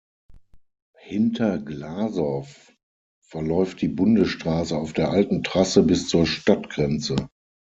Hinter Glasow verläuft die Bundesstraße auf der alten Trasse bis zur Stadtgrenze.